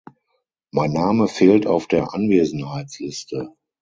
Mein Name fehlt auf der Anwesenheitsliste.